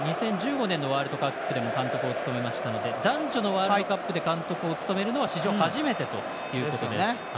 ２０１５年のワールドカップでも監督を務めましたので男女のワールドカップで監督を務めるのは史上初めてということです。